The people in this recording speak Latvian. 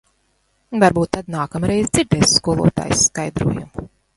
Varbūt tad nākamreiz dzirdēs skolotājas skaidrojumu.